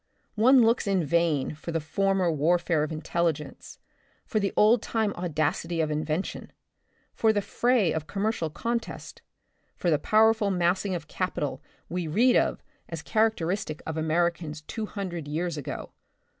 One looks in vain for the former warfare of intelligence, for the old time audacity of invention, for the fray of commercial contest, for the powerful massing of capital we read of as character The Republic of the Future. 73 istic of Americans two hundred years ago.